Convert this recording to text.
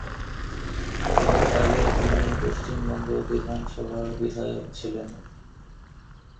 এর আগে, তিনি পশ্চিমবঙ্গ বিধানসভার বিধায়ক ছিলেন।